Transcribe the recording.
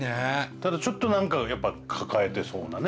ただちょっと何かやっぱ抱えてそうなね。